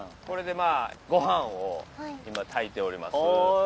これでまあご飯を今炊いております。